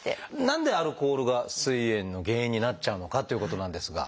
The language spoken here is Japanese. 何でアルコールがすい炎の原因になっちゃうのかっていうことなんですが。